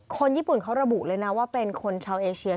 คนญี่ปุ่นเขาระบุเลยนะว่าเป็นคนชาวเอเชีย